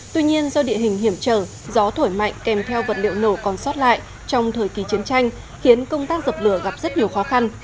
tuy nhiên do địa hình hiểm trở gió thổi mạnh kèm theo vật liệu nổ còn sót lại trong thời kỳ chiến tranh khiến công tác dập lửa gặp rất nhiều khó khăn